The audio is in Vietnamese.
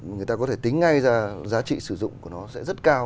người ta có thể tính ngay ra giá trị sử dụng của nó sẽ rất cao